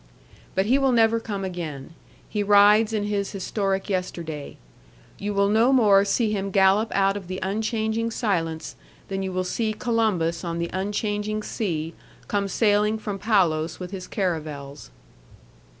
But he will never come again. He rides in his historic yesterday. You will no more see him gallop out of the unchanging silence than you will see Columbus on the unchanging sea come sailing from Palos with his caravels.